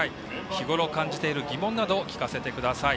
日ごろ感じている疑問など聴かせてください。